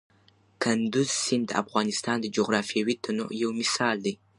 کندز سیند د افغانستان د جغرافیوي تنوع یو مثال دی.